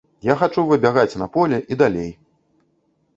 Я хачу выбягаць на поле і далей.